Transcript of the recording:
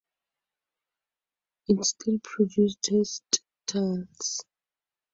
It still produces textiles.